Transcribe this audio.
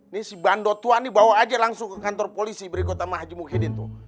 ini si bando tua ini bawa aja langsung ke kantor polisi berikut sama haji muhyiddin tuh